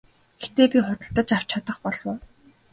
Гэхдээ би худалдаж авч чадах болов уу?